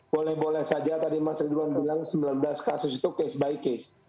boleh boleh saja tadi mas ridwan bilang sembilan belas kasus itu case by case